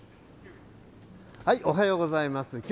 おはようございます。